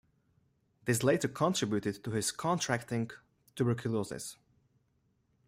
This later contributed to his contracting tuberculosis.